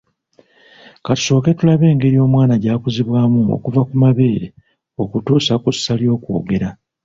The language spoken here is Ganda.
Ka tusooke tulabe engeri omwana gy’akuzibwamu okuva ku mabeere okutuusa ku ssa ly’okwogera.